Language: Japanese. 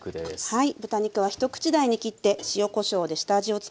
はい。